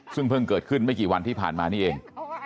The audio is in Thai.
ซึ่งเพิ่งเกิดขึ้นไม่กี่วันที่ผ่านมานี่เอง